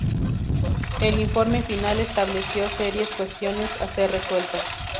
El informe final estableció serias cuestiones a ser resueltas.